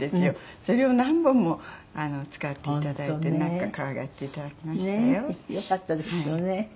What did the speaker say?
それを何本も使っていただいてなんか可愛がっていただきましたよ。よかったですよね。